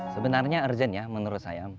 sebenarnya urgent ya menurut saya